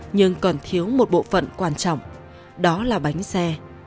nhưng còn thiếu một bộ phận quan trọng đó là bánh xe